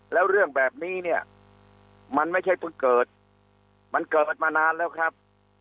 แล้วเรื่องแบบนี้เนี่ยมันไม่ใช่เพิ่งเกิดมันเกิดมานานแล้วครับ